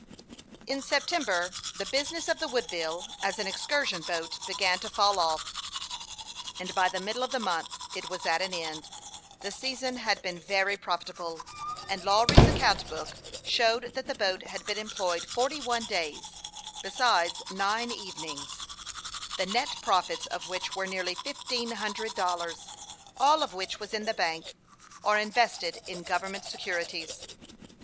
In September, the business of the Woodville, as an excursion boat, began to fall off, and by the middle of the month it was at an end. The season had been very profitable, and Lawry' s account book showed that the boat had been employed forty one days, besides nine evenings, the net profits of which were nearly fifteen hundred dollars, all of which was in the bank, or invested in government securities.